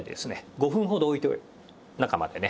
５分ほどおいて中までね